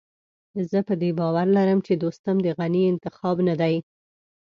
زه په دې باور لرم چې دوستم د غني انتخاب نه دی.